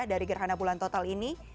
dari gerhana bulan total ini